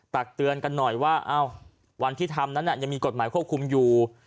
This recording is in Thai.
ตักเตือนกันหน่อยว่าวันที่ทำนั้นยังมีกฎหมายควบคุมอยู่